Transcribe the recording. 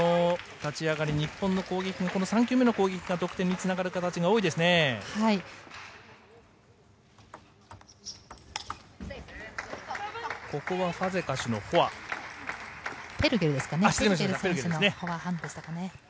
立ち上がり日本の攻撃、３球目の攻撃が得点につながる形が多いですね。